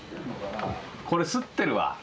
これ擦ってるわ。